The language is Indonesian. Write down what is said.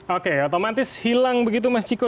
oke otomatis hilang begitu mas ciko